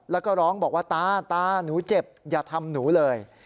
แล้วก็ร้องบอกว่าตาตาหนูเจ็บอย่าทำหนูเลย